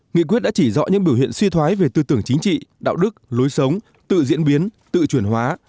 nghị quyết đã chỉ rõ những biểu hiện suy thoái về tư tưởng chính trị đạo đức lối sống tự diễn biến tự chuyển hóa